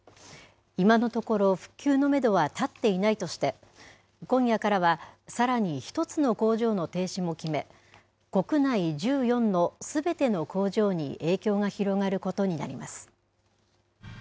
今のところ、復旧のメドは立っていないとして、今夜からは、さらに１つの工場の停止も決め、国内１４のすべての工場に影響が広がることになります。